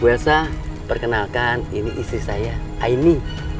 we elsa perkenalkan ini istri saya aini